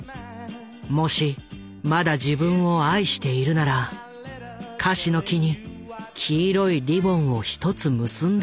もしまだ自分を愛しているならかしの木に黄色いリボンを１つ結んでおいてほしいと。